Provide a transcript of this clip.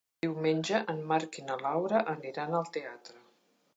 Diumenge en Marc i na Laura aniran al teatre.